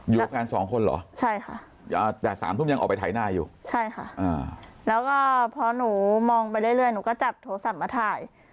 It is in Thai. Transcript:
อยู่กับแฟนสองคนเหรอใช่ค่ะแล้วพอหนูมองไปเรื่อยหนูก็จับโทรศัพท์มาถ่าย